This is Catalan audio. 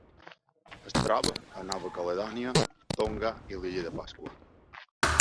Es troba a Nova Caledònia, Tonga i l'Illa de Pasqua.